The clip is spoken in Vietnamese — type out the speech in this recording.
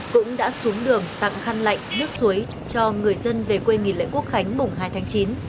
cũng đã xuống đường tặng khăn lạnh nước suối cho người dân về quê nghỉ lễ quốc khánh mùng hai tháng chín